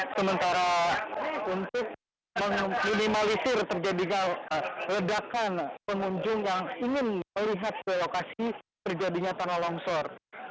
sementara untuk meminimalisir terjadinya ledakan pengunjung yang ingin melihat ke lokasi terjadinya tanah longsor